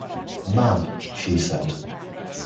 Mab, she said.